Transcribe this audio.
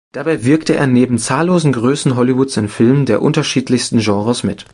Dabei wirkte er neben zahllosen Größen Hollywoods in Filmen der unterschiedlichsten Genres mit.